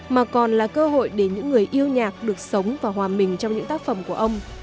mà còn là cơ hội để những người yêu nhạc được sống và hòa mình trong những tác phẩm của ông